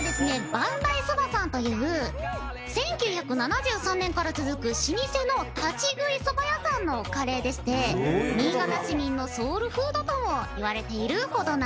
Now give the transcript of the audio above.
万代そばさんという１９７３年から続く老舗の立ち食いそば屋さんのカレーでして新潟市民のソウルフードともいわれているほどなんです。